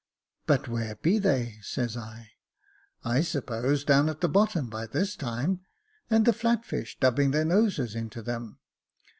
' But where be they ?' says I :' I suppose down at the bottom by this time, and the flat fish dubbing their noses into them.'